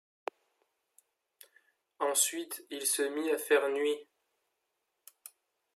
Ensuite, il se mit à faire nuit.